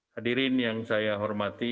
hadirin yang saya hormati